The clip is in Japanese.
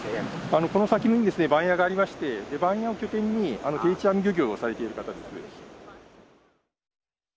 ・この先にですね番屋がありまして番屋を拠点に定置網漁業をされている方です。